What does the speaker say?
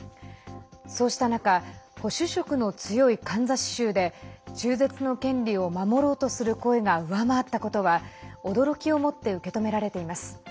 そうした中保守色の強いカンザス州で中絶の権利を守ろうとする声が上回ったことは驚きをもって受け止められています。